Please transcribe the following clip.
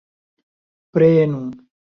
prenu